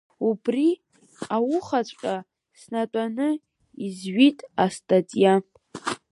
Убри аухаҵәҟьа снатәаны изҩит астатиа…